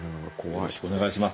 よろしくお願いします。